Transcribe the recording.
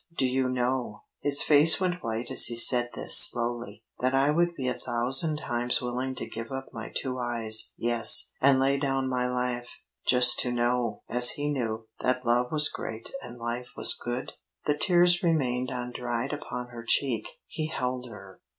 Do you know," his face went white as he said this, slowly "that I would be a thousand times willing to give up my two eyes yes, and lay down my life just to know, as he knew, that love was great and life was good?" The tears remained undried upon her cheek. He held her.